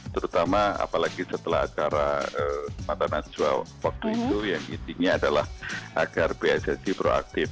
terutama apalagi setelah acara mata najwa waktu itu yang intinya adalah agar pssi proaktif